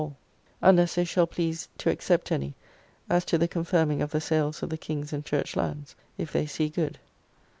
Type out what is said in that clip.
3.] unless they shall please to except any, as to the confirming of the sales of the King's and Church lands, if they see good.